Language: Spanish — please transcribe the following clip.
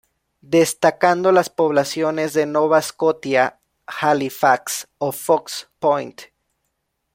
Destacando las poblaciones de Nova Scotia, Halifax o Fox Point.